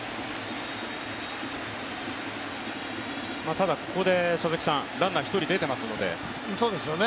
ただここでランナー１人出ていますので。